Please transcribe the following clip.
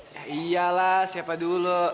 ya iyalah siapa dulu